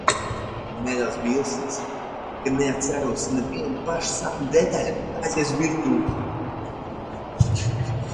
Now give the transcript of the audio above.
Nedaudz vīlusies, ka neatceros nevienu pašu sapņa detaļu, aizgāju uz virtuvi.